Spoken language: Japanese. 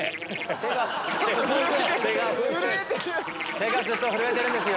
手がずっと震えてるんですよ。